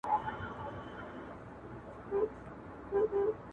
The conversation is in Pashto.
ژر يې په ټولنيزو رسنيو کي